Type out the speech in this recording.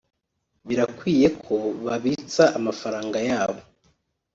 Birakwiye ko babitsa amafaranga yabo